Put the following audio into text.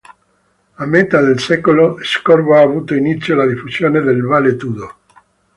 A metà del secolo scorso ha avuto inizio la diffusione del Vale Tudo.